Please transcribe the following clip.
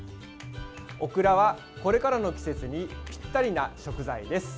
オクラは、これからの季節にぴったりな食材です。